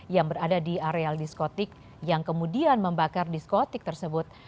yang kemudian membakar diskotik tersebut